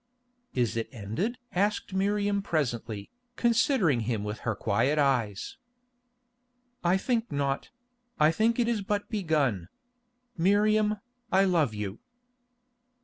"Is it ended?" asked Miriam presently, considering him with her quiet eyes. "I think not; I think it is but begun. Miriam, I love you."